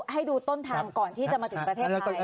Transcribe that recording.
ให้ดูต้นทางก่อนที่จะมาถึงประเทศไทย